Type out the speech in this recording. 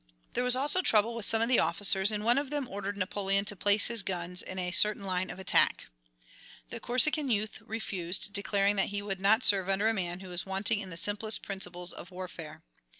There was also trouble with some of the officers, and one of them ordered Napoleon to place his guns in a certain line of attack. The Corsican youth refused, declaring that he would not serve under a man who was wanting in the simplest principles of warfare.